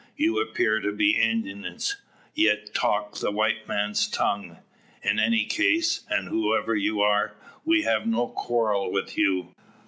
You appear to be Indians, yet talk the white man's tongue. In any case, and whoever you are, we have no quarrel with you.